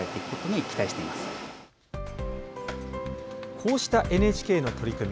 こうしたＮＨＫの取り組み